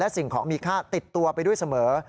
สิ่งของมีค่าติดตัวไปด้วยเสมอ